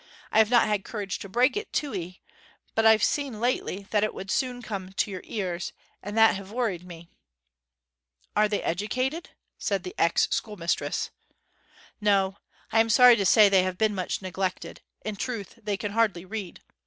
I have not had courage to break it to 'ee, but I've seen lately that it would soon come to your ears, and that hev worried me.' 'Are they educated?' said the ex schoolmistress. 'No. I am sorry to say they have been much neglected; in truth, they can hardly read.